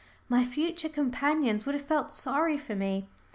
My future companions would have felt sorry for me.